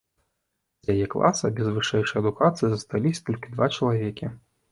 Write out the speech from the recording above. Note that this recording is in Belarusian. З яе класа без вышэйшай адукацыі засталіся толькі два чалавекі.